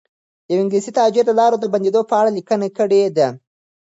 یو انګلیسي تاجر د لارو د بندېدو په اړه لیکنه کړې ده.